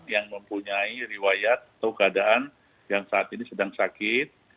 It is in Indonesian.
yang mempunyai riwayat atau keadaan yang saat ini sedang sakit